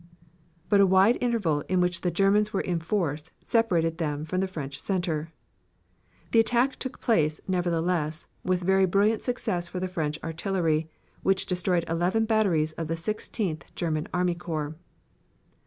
But a wide interval in which the Germans were in force separated them from the French center. The attack took place, nevertheless, with very brilliant success for the French artillery, which destroyed eleven batteries of the Sixteenth German army corps.